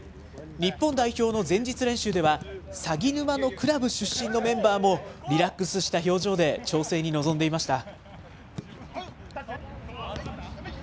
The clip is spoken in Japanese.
日本代表の前日練習では、さぎぬまのクラブ出身のメンバーもリラックスした表情で調整に臨んでいました。